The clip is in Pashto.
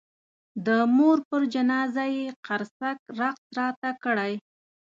د مور پر جنازه یې قرصک رقص راته کړی.